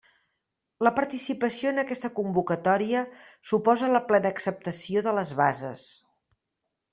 La participació en aquesta convocatòria suposa la plena acceptació de les bases.